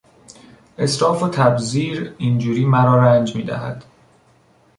اسراف و تبذیر این جوری مرا رنج میدهد.